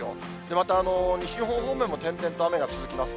また西日本方面も点々と雨が続きます。